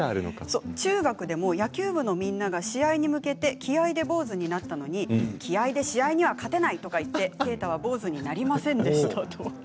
中学でも野球部のみんなが試合に向けて気合いで坊主になったのに気合いで試合には勝てないとか言って啓太は坊主になりませんでした。